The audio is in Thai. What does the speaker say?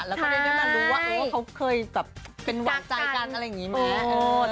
แล้วก็ได้ได้มารู้ว่าเขาเคยเป็นหวังใจกันอะไรอย่างนี้มั้ย